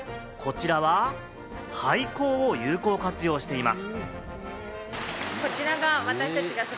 こちらは廃校を有効活用しています。